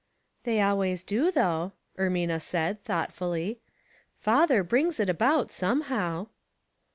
"They always do, though," Ermina said, thoughtfully. "Father brings it about some how."